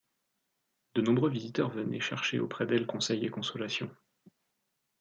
De nombreux visiteurs venaient chercher auprès d'elle conseils et consolations.